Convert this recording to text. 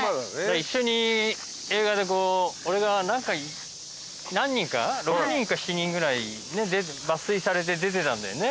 一緒に映画でこう俺が何か何人か６人か７人ぐらい抜粋されて出てたんだよね？